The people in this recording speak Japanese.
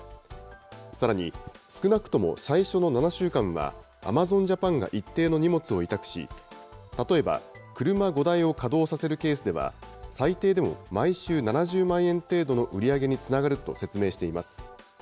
さらに少なくとも最初の７週間は、アマゾンジャパンが一定の荷物を委託し、例えば車５台を稼働させるケースでは、最低でも毎週７０万円程度の売り上げにつながると説明しています。